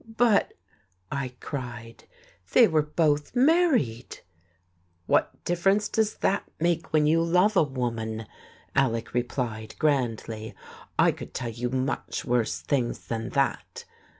"But," I cried, "they were both married!" "What difference does that make when you love a woman?" Alec replied grandly. "I could tell you much worse things than that."